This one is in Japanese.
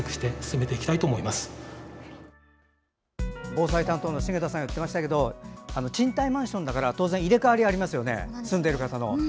防災担当の重田さんが言っていましたから賃貸マンションの場合入れ替わりがありますね住んでる方の。